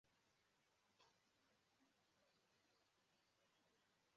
na mmemme elimozu Ọkammụta James Nwoye Adịchie